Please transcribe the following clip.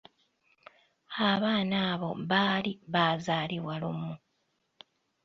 Abaana abo baali baazaalibwa lumu.